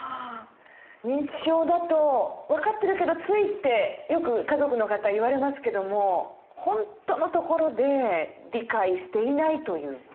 認知症だと分かってるけどついってよく家族の方言われますけども本当のところで理解していないという。